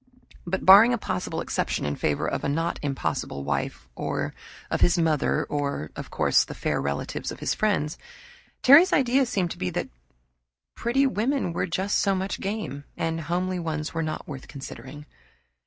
But barring a possible exception in favor of a not impossible wife, or of his mother, or, of course, the fair relatives of his friends, Terry's idea seemed to be that pretty women were just so much game and homely ones not worth considering.